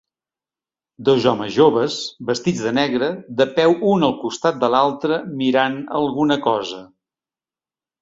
Dos homes joves vestits de negre de peu un al costat de l"altre mirant alguna cosa.